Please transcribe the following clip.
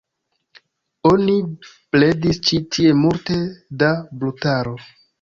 Oni bredis ĉi tie multe da brutaro.